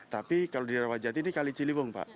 tapi kalau di rawajati ini kali ciliwung pak